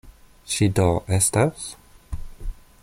Ŝi do estas?